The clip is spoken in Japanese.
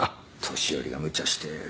年寄りがむちゃして。